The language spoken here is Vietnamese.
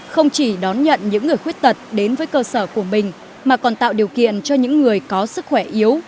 không chỉ đón nhận những người khuyết tật đến với cơ sở của mình mà còn tạo điều kiện cho những người có sức khỏe yếu